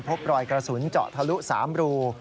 พบรอยกระสุนเจาะทะลุ๓รู